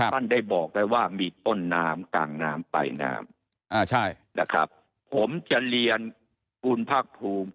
มันได้บอกไปว่ามีต้นน้ำกลางน้ำปลายน้ำผมจะเรียนคุณภาคภูมิ